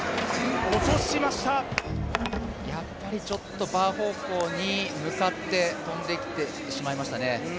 やっぱりちょっとバー方向に向かって跳んできてしまいましたね。